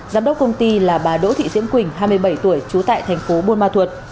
giám đốc công ty là bà đỗ thị diễm quỳnh hai mươi bảy tuổi trú tại thành phố buôn ma thuột